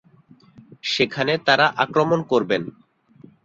সেখানে তারা আক্রমণ করবেন।